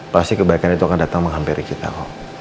pasti kebaikan itu akan datang menghampiri kita